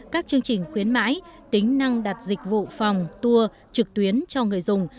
các chương trình khuyến mãi tính năng đặt dịch vụ phòng tour trực tuyến cho người dùng